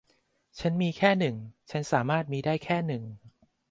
ฉันมีแค่หนึ่ง ฉันสามารถมีได้แค่หนึ่ง